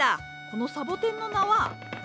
このサボテンの名は。